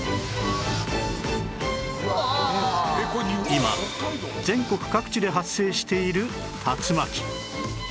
今全国各地で発生している竜巻